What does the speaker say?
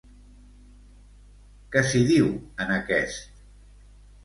Què s'hi diu en aquest?